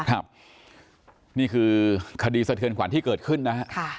ครับนี่คือคดีสะเทือนขวัญที่เกิดขึ้นนะฮะ